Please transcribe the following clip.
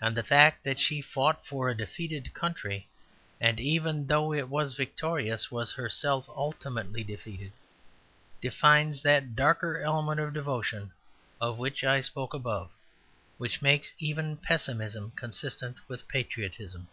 And the fact that she fought for a defeated country, and, even though it was victorious, was herself ultimately defeated, defines that darker element of devotion of which I spoke above, which makes even pessimism consistent with patriotism.